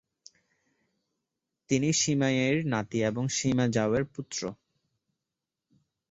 তিনি সিমা য়ির নাতী এবং সিমা ঝাওয়ের পুত্র।